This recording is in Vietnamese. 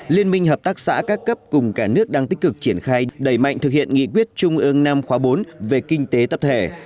liên minh hợp tác xã các cấp cùng cả nước đang tích cực triển khai đẩy mạnh thực hiện nghị quyết trung ương năm khóa bốn về kinh tế tập thể